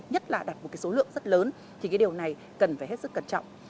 nhất là đặt một cái số lượng rất lớn thì cái điều này cần phải hết sức cẩn trọng